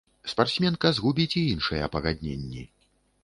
Спартсменка згубіць і іншыя пагадненні.